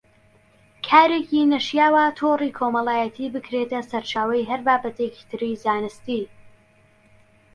کارێکی نەشیاوە تۆڕی کۆمەڵایەتی بکرێتە سەرچاوەی هەر بابەتێکی تری زانستی